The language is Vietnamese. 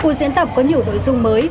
cuộc diễn tập có nhiều nội dung mới